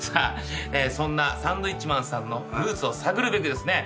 そんなサンドウィッチマンさんのルーツを探るべくですね